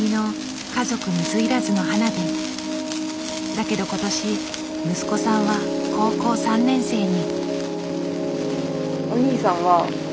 だけど今年息子さんは高校３年生に。